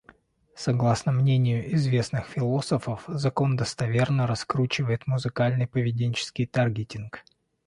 Согласно мнению известных философов, закон достоверно раскручивает музыкальный поведенческий таргетинг.